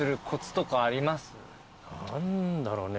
何だろうね。